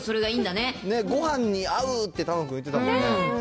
ね、ごはんに合うって楽君言ってたもんね。